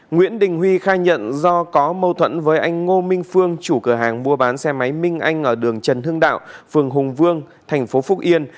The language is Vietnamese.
nguyễn đình huy khai nhận do có mâu thuẫn với anh ngô minh phương chủ cửa hàng mua bán xe máy minh anh ở đường trần hưng đạo phường hùng vương thành phố phúc yên